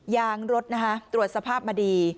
ยางรถตรวจสภาพมาดี